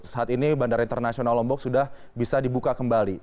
saat ini bandara internasional lombok sudah bisa dibuka kembali